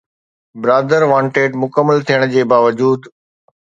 ’برادر wanted‘ مڪمل ٿيڻ جي باوجود